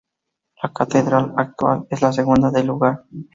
La catedral actual es la segunda del lugar.